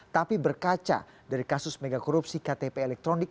tapi berkaca dari kasus megakorupsi ktp elektronik